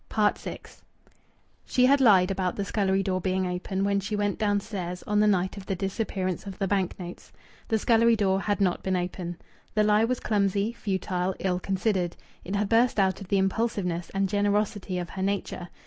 VI She had lied about the scullery door being open when she went downstairs on the night of the disappearance of the bank notes. The scullery door had not been open. The lie was clumsy, futile, ill considered. It had burst out of the impulsiveness and generosity of her nature.